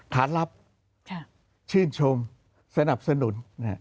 ขานรับชื่นชมสนับสนุน